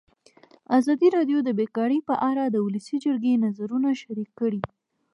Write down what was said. ازادي راډیو د بیکاري په اړه د ولسي جرګې نظرونه شریک کړي.